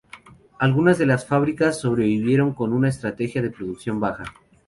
Algunas de las fábricas sobrevivieron con una estrategia de producción baja.